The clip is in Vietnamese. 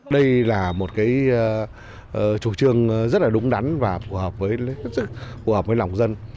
đây là một cái chủ trương rất là đúng đắn và phù hợp với lòng dân